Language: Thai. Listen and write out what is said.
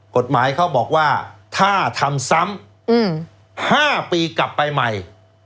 กฎหมายเขาบอกว่าถ้าทำซ้ำ๕ปีกลับไปใหม่